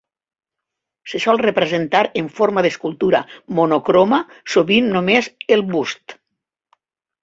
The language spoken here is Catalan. Se sol representar en forma d'escultura monocroma, sovint només el bust.